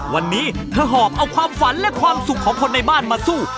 วันนี้เธอหอบเอาความฝันและความสุขของคนในบ้านมาสู้